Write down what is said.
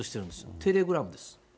テレグラムです。